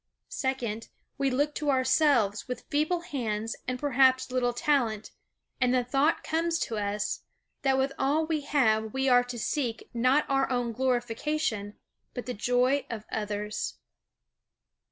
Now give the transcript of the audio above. Second, we look to ourselves with feeble hands and perhaps little talent, and the thought comes to us, that with all we have we are to seek not our own glorification but the joy of others.